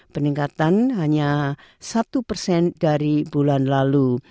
peningkatan hanya satu persen dari bulan lalu